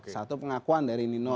satu pengakuan dari nino